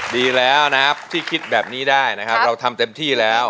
ดีแล้วนะครับที่คิดแบบนี้ได้นะครับเราทำเต็มที่แล้ว